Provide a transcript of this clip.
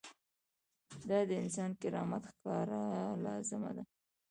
دا د انساني کرامت ښکاره لازمه ده.